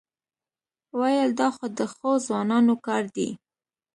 وېل دا خو د ښو ځوانانو کار دی.